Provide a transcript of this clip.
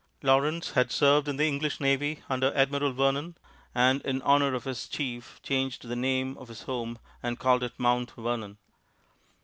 Lawrence had served in the English navy under Admiral Vernon, and, in honor of his chief, changed the name of his home and called it Mount Vernon.